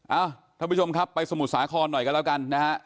เอ้าท่านผู้ชมครับไปสมุทรสาครหน่อยกันแล้วกันนะฮะ